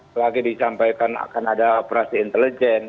selagi disampaikan akan ada operasi intelijen